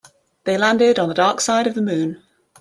They landed on the dark side of the moon.